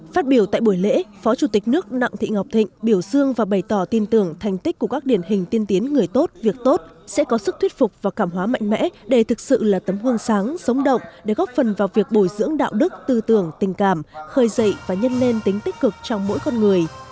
phát biểu tại buổi lễ phó chủ tịch nước đặng thị ngọc thịnh biểu dương và bày tỏ tin tưởng thành tích của các điển hình tiên tiến người tốt việc tốt sẽ có sức thuyết phục và cảm hóa mạnh mẽ để thực sự là tấm gương sáng sống động để góp phần vào việc bồi dưỡng đạo đức tư tưởng tình cảm khơi dậy và nhân lên tính tích cực trong mỗi con người